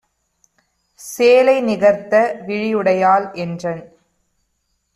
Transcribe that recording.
சேலை நிகர்த்த விழியுடையாள் - என்றன்